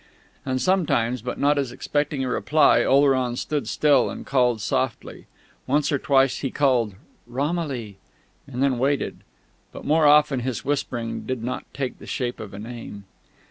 And sometimes, but not as expecting a reply, Oleron stood still and called softly. Once or twice he called "Romilly!" and then waited; but more often his whispering did not take the shape of a name.